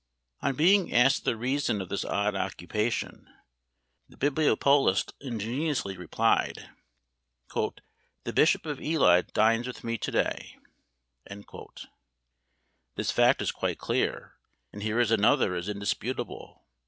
On being asked the reason of this odd occupation, the bibliopolist ingenuously replied, "The Bishop of Ely dines with me to day." This fact is quite clear, and here is another as indisputable.